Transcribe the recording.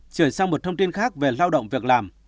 chuyển sang một thông tin khác về lao động việc làm